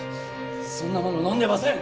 そんなもの飲んでません！